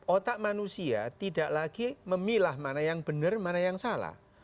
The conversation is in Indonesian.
otak manusia tidak lagi memilah mana yang benar mana yang salah